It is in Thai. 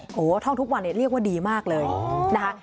โอ้โหท่องทุกวันเนี่ยเรียกว่าดีมากเลยนะคะ